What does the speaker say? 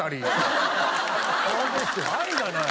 「愛がない」？